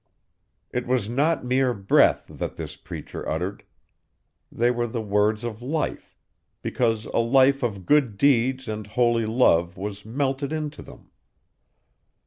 It was not mere breath that this preacher uttered; they were the words of life, because a life of good deeds and holy love was melted into them.